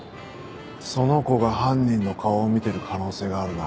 その子が犯人の顔を見ている可能性があるな。